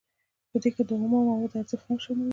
په دې کې د اومو موادو ارزښت هم شامل دی